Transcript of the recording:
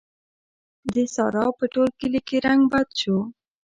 د سارا په ټول کلي کې رنګ بد شو.